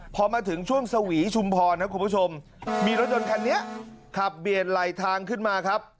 พอมาถึงช่วงสวีชุมพรนะคุณผู้ชมมีรถยนต์คันนี้ขับเบียดไหลทางขึ้นมาครับ